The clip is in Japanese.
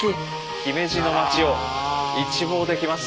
姫路の町を一望できます。